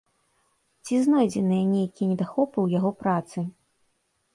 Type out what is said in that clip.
Ці знойдзеныя нейкія недахопы ў яго працы?